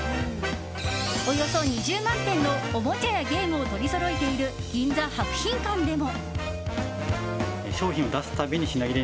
およそ２０万点のおもちゃやゲームを取りそろえている銀座博品館でも。